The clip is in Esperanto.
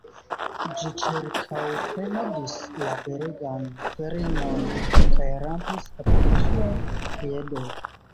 Ĝi ĉirkaŭprenadis la belegan virinon kaj rampis apud ŝiaj piedoj.